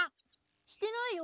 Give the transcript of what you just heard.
してないよ。